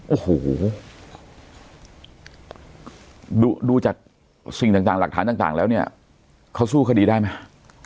โอ้โหดูจากสิ่งต่างหลักฐานต่างแล้วเนี่ยเขาสู้คดีได้ไหม